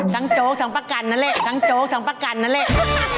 ทั้งโจ๊กทั้งปะกันนั่นแหละ